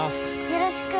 よろしく！